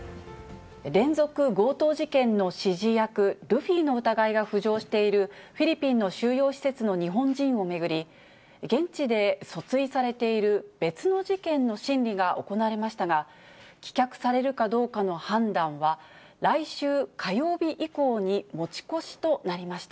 連続強盗事件の指示役、ルフィの疑いが浮上しているフィリピンの収容施設の日本人を巡り、現地で訴追されている別の事件の審理が行われましたが、棄却されるかどうかの判断は、来週火曜日以降に持ち越しとなりました。